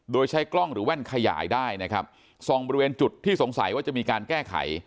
โดยใช้กล้องหรือแว่นขยายได้นะครับส่องบริเวณจุดที่สงสัยว่าจะมีการแก้ไข